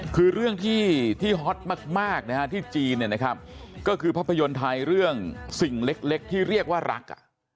คือเรื่องที่ฮอตมากนะฮะที่จีนคือภาพยนต์ไทยเรื่องสิ่งเล็กที่เรียกว่ารัก